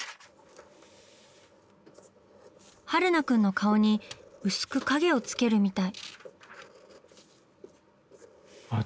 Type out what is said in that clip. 榛名くんの顔に薄く影をつけるみたい。